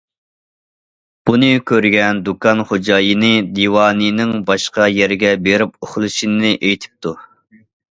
بۇنى كۆرگەن دۇكان خوجايىنى دىۋانىنىڭ باشقا يەرگە بېرىپ ئۇخلىشىنى ئېيتىپتۇ.